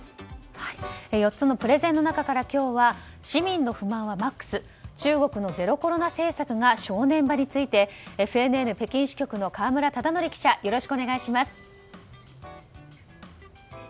４つのプレゼンの中から今日は市民の不満はマックス中国のゼロコロナ政策が正念場についてＦＮＮ北京支局の河村忠徳記者よろしくお願いします。